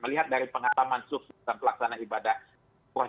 melihat dari pengataman sukses dan pelaksanaan ibadah